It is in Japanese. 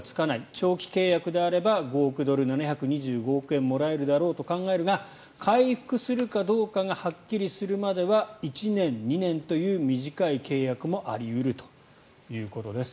長期契約であれば５億ドル、７２５億円もらえるだろうと考えるが回復するかどうかがはっきりするまでは１年、２年という短い契約もあり得るということです。